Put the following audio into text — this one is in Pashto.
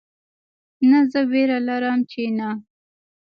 نه زه ویره لرم چې نه